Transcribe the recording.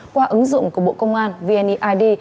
qua ứng dụng của bộ công an vniid